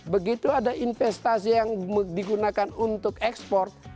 begitu ada investasi yang digunakan untuk ekspor